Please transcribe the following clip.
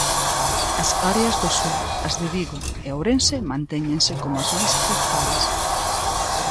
As áreas do sur, as de Vigo e Ourense, mantéñense como as máis afectadas.